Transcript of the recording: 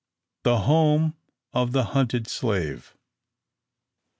THE HOME OF THE HUNTED SLAVE.